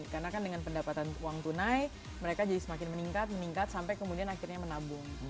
karena kan dengan pendapatan uang tunai mereka jadi semakin meningkat meningkat sampai kemudian akhirnya menabung